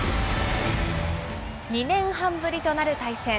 ２年半ぶりとなる対戦。